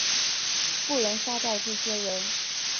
不能杀掉这些人